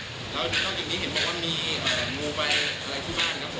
แล้วตรงจุดนี้เห็นบอกว่ามีงูไปอะไรที่บ้านครับ